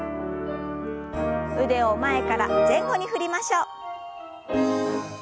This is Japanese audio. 腕を前から前後に振りましょう。